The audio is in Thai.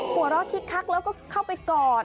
หัวเราะคิกคักแล้วก็เข้าไปกอด